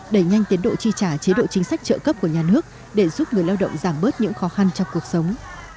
đẩy nhanh tiến độ tri trả chế độ chính sách trợ cấp của nhà nước để giúp người lao động giảm bớt những khó khăn trong cuộc sống